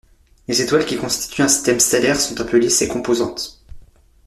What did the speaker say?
Les étoiles qui constituent un système stellaire sont appelées ses composantes.